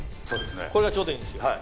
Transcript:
これがちょうどいいんですよ。